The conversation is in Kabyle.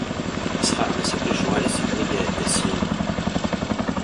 Isexreb-as akk lecɣal-is seg mi d-iɛedda syenna.